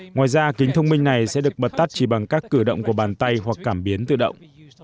ngoài ra kính thông minh này sẽ được bật tắt chỉ bằng các cửa động của bàn tay hoặc cảm biến tự động